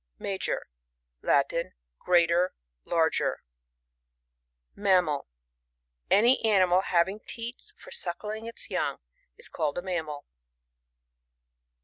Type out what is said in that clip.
Major. — Latin. Greater, larger. Mammal. — Any animal having teats for suckling its young, is called a mammal.